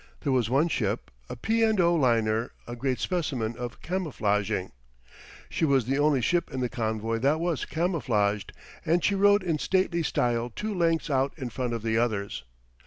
There was one ship, a P. & O. liner, a great specimen of camouflaging. She was the only ship in the convoy that was camouflaged, and she rode in stately style two lengths out in front of the others.